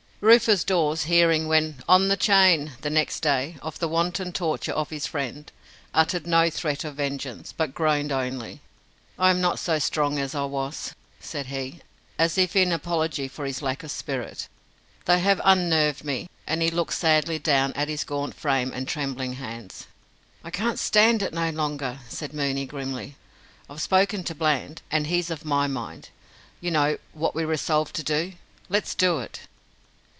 Rufus Dawes hearing, when "on the chain" the next day, of the wanton torture of his friend, uttered no threat of vengeance, but groaned only. "I am not so strong as I was," said he, as if in apology for his lack of spirit. "They have unnerved me." And he looked sadly down at his gaunt frame and trembling hands. "I can't stand it no longer," said Mooney, grimly. "I've spoken to Bland, and he's of my mind. You know what we resolved to do. Let's do it."